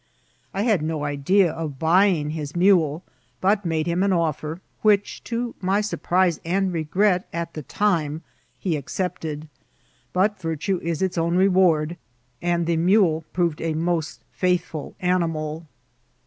I had no idea of buying his mule, but made him an offer, which, to my surprise and regret at the time, he accepted ; but virtue is its own reward, and the mule proved a most faithful animal.